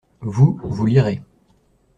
Vous, vous lirez.